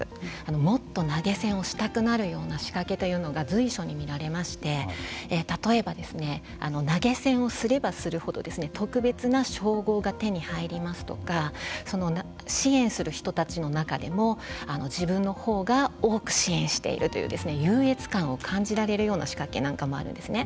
もっと投げ銭をしたくなるような仕掛けというのが随所に見られまして例えば投げ銭をすればするほど特別な称号が手に入りますとか支援する人たちの中でも自分のほうが多く支援しているという優越感を感じられるような仕掛けなんかもあるんですね。